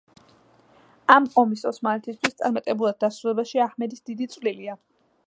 ამ ომის ოსმალეთისთვის წარმატებულად დასრულებაში, აჰმედის დიდი წვლილია.